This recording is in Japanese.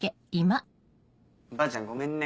ばあちゃんごめんね